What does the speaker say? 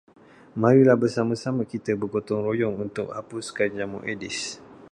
Marilah bersama-sama kita bergotong royong untuk hapuskan nyamuk aedes.